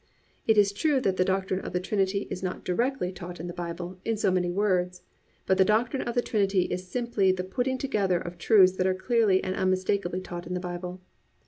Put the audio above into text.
It is true that the doctrine of the Trinity is not directly taught in the Bible in so many words, but the doctrine of the Trinity is simply the putting together of truths that are clearly and unmistakably taught in the Bible.